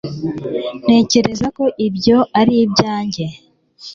ntekereza ko ibyo ari ibyanjye